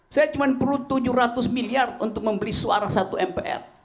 saya cuma perlu tujuh ratus miliar untuk membeli suara satu mpr